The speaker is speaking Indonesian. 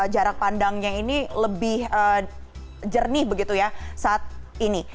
jarak pandangnya ini lebih jernih begitu ya saat ini